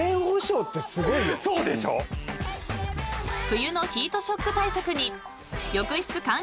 ［冬のヒートショック対策に］